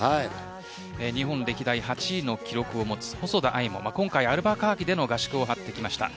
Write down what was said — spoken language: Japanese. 日本歴代８位の記録を持つ細田あいも今回アルバカーキで合宿を行いました。